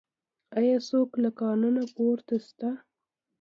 آیا څوک له قانون پورته شته؟